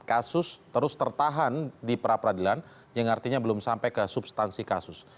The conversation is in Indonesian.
kasus terus tertahan di pra peradilan yang artinya belum sampai ke substansi kasus